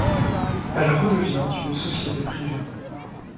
Elle redevient une société privée.